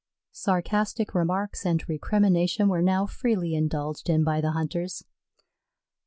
Sarcastic remarks and recrimination were now freely indulged in by the hunters.